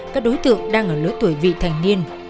các đối tượng đang ở lứa tuổi vị thành niên